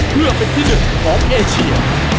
เพื่อเป็นที่หนึ่งของเอเชีย